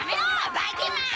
ばいきんまん！